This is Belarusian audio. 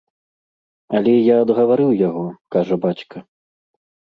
Але я адгаварыў яго, кажа бацька.